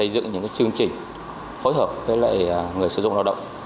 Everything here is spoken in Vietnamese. dựng những chương trình phối hợp với người sử dụng lao động